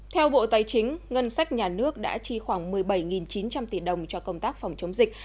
theo bộ tài chính ngân sách nhà nước đã chi khoảng một mươi bảy chín trăm linh tỷ đồng cho công tác phòng chống dịch